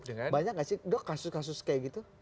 banyak gak sih dok kasus kasus kayak gitu